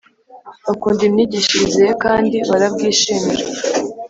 bakunda imyigishirize ye kandi barabwishimira